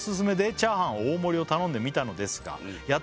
「チャーハン大盛りを頼んでみたのですが」